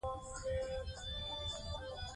اوبه د ریو ګرانډې سیند له لارې وېشل کېږي.